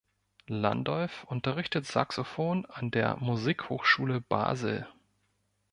Landolf unterrichtet Saxophon an der Musikhochschule Basel.